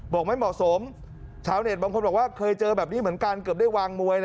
บอกไม่เหมาะสมชาวเน็ตบางคนบอกว่าเคยเจอแบบนี้เหมือนกันเกือบได้วางมวย